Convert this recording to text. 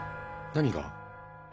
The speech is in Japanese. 何が？